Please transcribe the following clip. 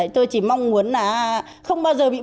tôi chỉ mong muốn là không bao giờ bị